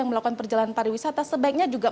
melakukan perjalanan pariwisata sebaiknya juga